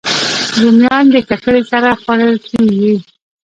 رومیان د ککرې سره خوړل کېږي